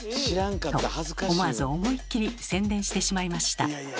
と思わず思いっきり宣伝してしまいました。